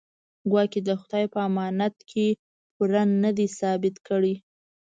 ګواکې د خدای په امانت کې پوره نه دی ثابت کړی.